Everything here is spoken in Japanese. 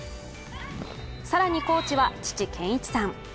更にコーチは父・健一さん。